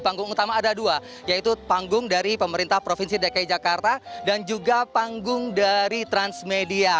panggung utama ada dua yaitu panggung dari pemerintah provinsi dki jakarta dan juga panggung dari transmedia